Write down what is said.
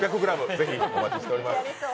ぜひお待ちしてます。